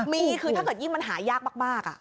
มีคือถ้าเกิดยิ่งมันหายากมาก